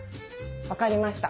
わかりました。